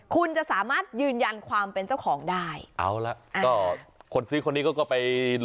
คุณจะสามารถยืนยันความเป็นเจ้าของได้